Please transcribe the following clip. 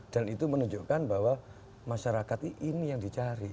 dan itu menunjukkan bahwa masyarakat ini yang dicari